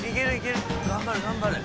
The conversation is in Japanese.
頑張れ頑張れ。